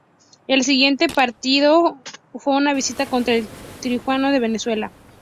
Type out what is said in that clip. El siguiente partido fue una visita contra el Trujillanos de Venezuela.